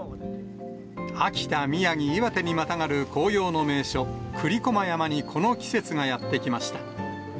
秋田、宮城、岩手にまたがる紅葉の名所、栗駒山にこの季節がやってきました。